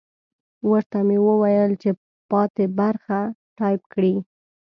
ورته مې وویل چې پاته برخه ټایپ کړي.